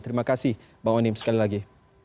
terima kasih bang onim sekali lagi